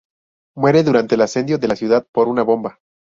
Muere durante el asedio de la ciudad por una bomba.